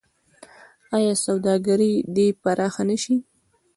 آیا سوداګري دې پراخه نشي؟